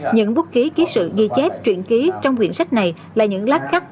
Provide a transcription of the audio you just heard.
những bút ký ký sự ghi chép truyện ký trong quyển sách này là những lát khắc